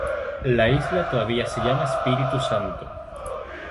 La isla todavía se llama Espíritu Santo.